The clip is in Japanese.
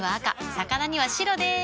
魚には白でーす。